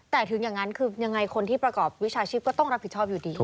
แต่ถึงอย่างนั้นคือยังไงคนที่ประกอบวิชาชีพก็ต้องรับผิดชอบอยู่ดี